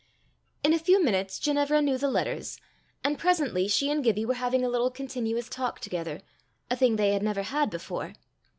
In a few minutes Ginevra knew the letters, and presently she and Gibbie were having a little continuous talk together, a thing they had never had before.